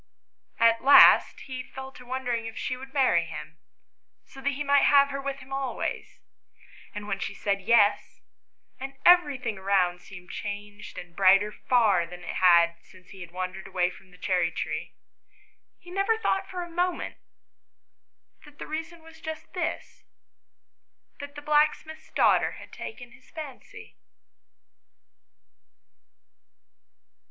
At last he fell to wondering if she would marry him, so that he might have her with him always; and when she said " Yes," and everything around seemed changed and brighter far than it had since he had wandered away from the cherry tree, he never for a moment thought that the reason was just this that the blacksmith's daughter had taken his Fancy.